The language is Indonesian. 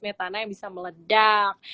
metana yang bisa meledak